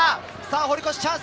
堀越、チャンス。